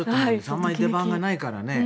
あまり出番がないからね。